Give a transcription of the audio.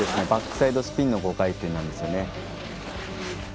バックサイドスピンの５回転なんですよね。